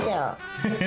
フフフ。